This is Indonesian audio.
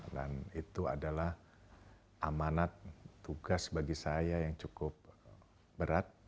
dan itu adalah amanat tugas bagi saya yang cukup berat